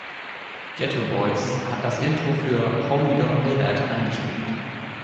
Geto Boys hat das Intro für „Homie Don't Play That" eingespielt.